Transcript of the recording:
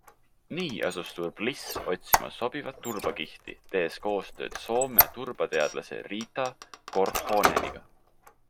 Nii asus Turbliss otsima sobivat turbakihti, tehes koostööd Soome turbateadlase Riita Korhoneniga.